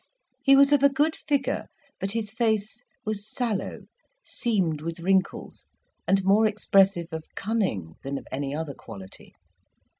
He was of a good figure; but his face was sallow, seamed with wrinkles, and more expressive of cunning than of any other quality.